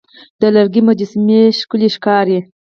د لرګي مجسمې ښکلي ښکاري.